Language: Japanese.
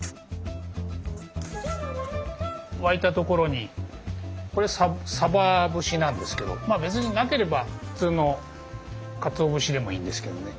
沸いたところにこれさば節なんですけどまあ別になければ普通のかつお節でもいいんですけどね。